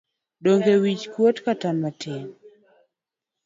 Ionge wich kuot kata matin.